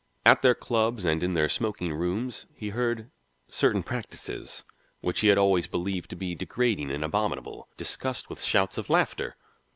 At their clubs and in their smoking rooms he heard certain practices, which he had always believed to be degrading and abominable, discussed with shouts of laughter.